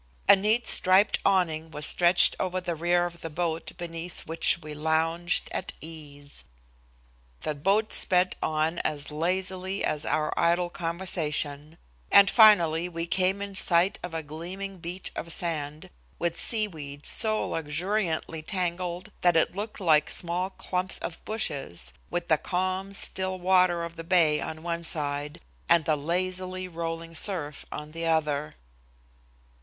A neat striped awning was stretched over the rear of the boat beneath which we lounged at ease. The boat sped on as lazily as our idle conversation, and finally we came in sight of a gleaming beach of sand, with seaweed so luxuriantly tangled that it looked like small clumps of bushes, with the calm, still water of the bay on one side, and the lazily rolling surf on the other.